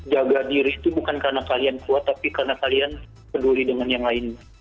jaga diri itu bukan karena kalian kuat tapi karena kalian peduli dengan yang lain